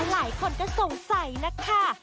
หลายคนก็สงสัยนะคะ